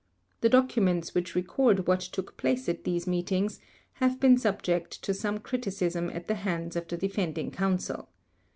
The documents which record what took place at these meetings have been subject to some criticism at the hands of defending Counsel.